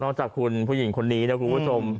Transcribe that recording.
จากคุณผู้หญิงคนนี้นะคุณผู้ชม